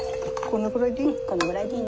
このぐらいでいい？